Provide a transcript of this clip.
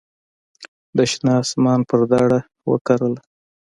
د شنه اسمان پر دړه وکرله